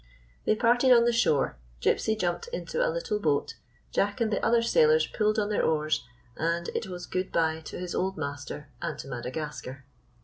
They parted on the shore, Gypsy jumped into a little boat, Jack and the other sailors pulled on their oars, and it was good bye to his old master and to Madagascar.